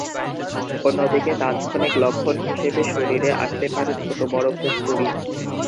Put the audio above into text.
অন্যদিকে তাৎক্ষণিক লক্ষণ হিসেবে শরীরে আসতে পারে ছোট-বড় ফুসকুড়ি।